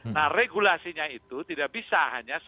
nah regulasinya itu tidak bisa hanya